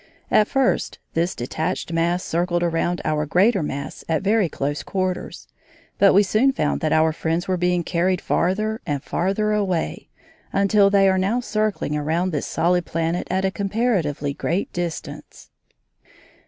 At first this detached mass circled around our greater mass at very close quarters, but we soon found that our friends were being carried farther and farther away, until they are now circling around this solid planet at a comparatively great distance.